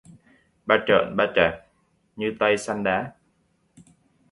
Ba trợn ba trạc như Tây săn đá